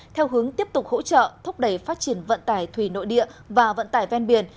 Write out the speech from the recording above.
theo hướng tiếp tục hỗ trợ thúc đẩy phát triển vận tải thủy nội địa và vận tải ven biển